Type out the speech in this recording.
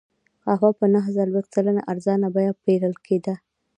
قهوه په نهه څلوېښت سلنه ارزانه بیه پېرل کېده.